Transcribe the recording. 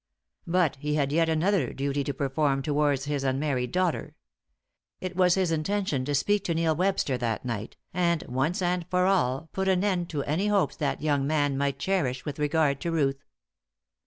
But he had yet another duty to perform towards his unmarried daughter. It was his intention to speak to Neil Webster that night, and, once and for all, put an end to any hopes that young man might cherish with regard to Ruth.